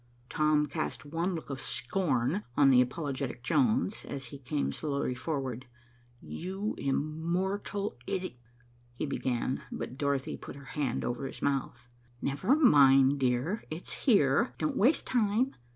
Tom cast one look of scorn on the apologetic Jones, as he came slowly forward. "You immortal id " he began, but Dorothy put her hand over his mouth. "Never mind, dear, it's here. Don't waste time.